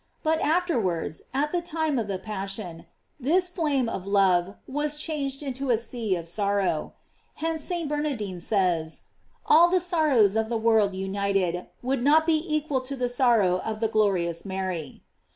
But afterwards, at the time of the passion, this flame of love was changed into a sea of sorrow. Hence St. Bernardino says: All the sorrows of the world united would not be equal to the sor row of the glorious Mary.